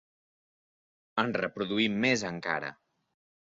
En reproduïm més encara.